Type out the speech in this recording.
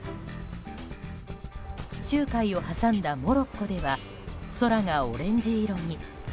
地中海を挟んだモロッコでは空がオレンジ色に。